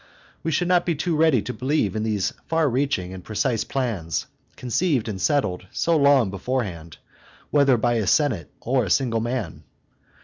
We should not be too ready to believe in these far reaching and precise plans, conceived and settled so long beforehand, whether by a senate or a single man.